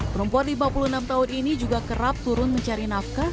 perempuan lima puluh enam tahun ini juga kerap turun mencari nafkah